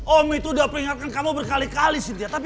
om itu udah peringatkan kamu berkali kali cynthia tapi